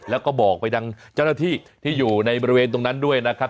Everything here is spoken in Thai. แล้วก็บอกไปทางเจ้าหน้าที่ที่อยู่ในบริเวณตรงนั้นด้วยนะครับ